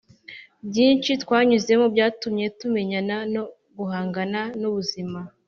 byinshi twanyuzemo byatumye tumenyana no guhangana nubuzima